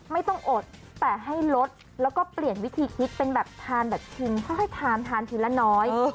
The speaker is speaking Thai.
ไม่ต้องอดแต่ให้ลดแล้วก็เปลี่ยนวิธีคิดเป็นแบบทานแบบชิมค่อยทานทานทีละน้อย